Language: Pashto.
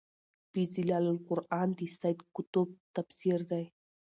في ظِلال القُرآن د سيد قُطب تفسير دی